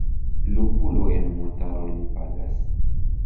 Lupulo en montaro Li pagas!